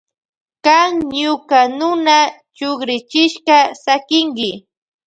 Kan ñuka nuna chukrichishpa sakinki.